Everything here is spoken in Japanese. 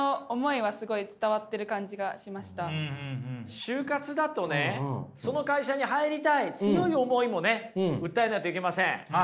就活だとねその会社に入りたい強い思いもね訴えないといけません。